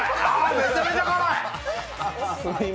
めちゃめちゃ辛い。